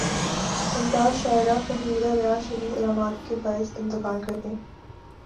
ممتاز شاعرہ فہمیدہ ریاض شدید علالت کے باعث انتقال کر گئیں